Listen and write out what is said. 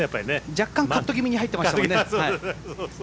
若干カット気味に入ってましたもんね。